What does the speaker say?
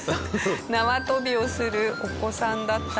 縄跳びをするお子さんだったり。